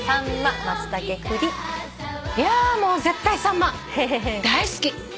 いやもう絶対「さんま」大好き。